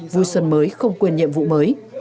vui xuân mới không quên nhiệm vụ mới